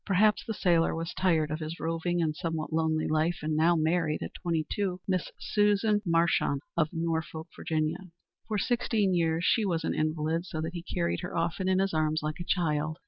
Perhaps the sailor was tired of his roving and somewhat lonely life, and now married, at twenty two, Miss Susan Marchant of Norfolk, Virginia. For sixteen years she was an invalid, so that he carried her often in his arms like a child.